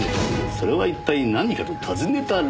それは一体何かと尋ねたら。